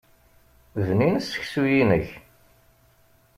Bnin seksu-inek.